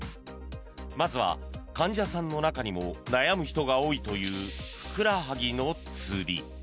まずは、患者さんの中にも悩む人が多いというふくらはぎのつり。